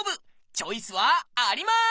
チョイスはあります！